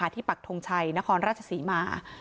ปักทงชัยนครราชศรีมา